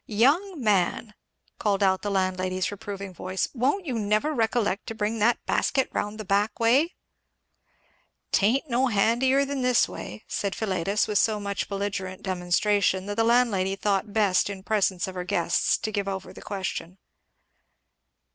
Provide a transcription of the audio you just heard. "Young man!" called out the landlady's reproving voice, "won't you never recollect to bring that basket round the back way?" "'Tain't no handier than this way," said Philetus, with so much belligerent demonstration that the landlady thought best in presence of her guests to give over the question.